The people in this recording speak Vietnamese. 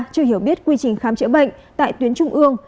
chưa hiểu biết quy trình khám chữa bệnh tại tuyến trung ương